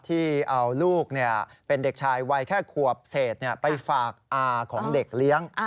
ที่เอาลูกเป็นเด็กชายวัยแค่ขวบเศษไปฝากอาของเด็กเลี้ยง